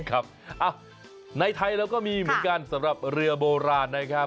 ครับในไทยเราก็มีเหมือนกันสำหรับเรือโบราณนะครับ